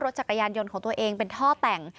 จักรยานยนต์ของตัวเองเป็นท่อแต่ง